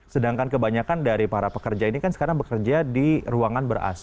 sedangkan kebanyakan dari para pekerja ini kan sekarang bekerja di ruangan ber ac